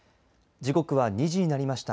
時刻は２時になりました。